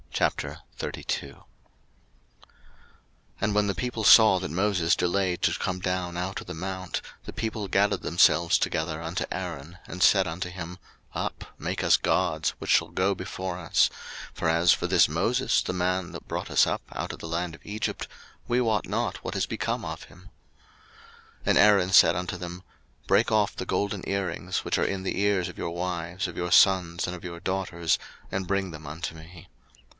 02:032:001 And when the people saw that Moses delayed to come down out of the mount, the people gathered themselves together unto Aaron, and said unto him, Up, make us gods, which shall go before us; for as for this Moses, the man that brought us up out of the land of Egypt, we wot not what is become of him. 02:032:002 And Aaron said unto them, Break off the golden earrings, which are in the ears of your wives, of your sons, and of your daughters, and bring them unto me.